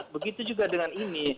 begitu juga dengan ini